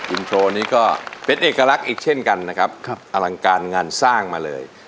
อินโทรนี้ก็เป็นเอกลักษณ์อีกเช่นกันนะครับอลังการงานสร้างมาเลย